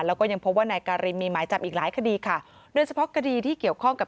แล้วก็ยังพบว่านายการินมีหมายจับอีกหลายคดีค่ะโดยเฉพาะคดีที่เกี่ยวข้องกับ